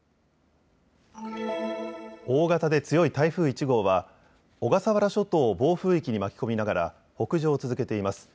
大型で強い台風１号は小笠原諸島を暴風域に巻き込みながら北上を続けています。